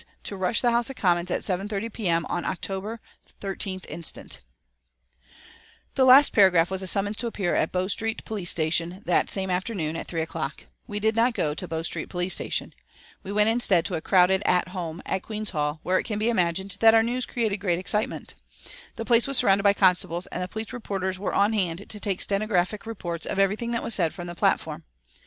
to rush the House of Commons at 7:30 P.M. on October 13th inst." [Illustration: MRS. PANKHURST AND CHRISTABEL HIDING FROM THE POLICE ON THE ROOF GARDEN AT CLEMENTS INN October, 1908] The last paragraph was a summons to appear at Bow Street police station that same afternoon at three o'clock. We did not go to Bow Street police station. We went instead to a crowded "At Home" at Queen's Hall, where it can be imagined that our news created great excitement. The place was surrounded by constables, and the police reporters were on hand to take stenographic reports of everything that was said from the platform.